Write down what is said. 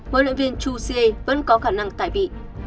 hlv chu xie vẫn có khả năng tải vị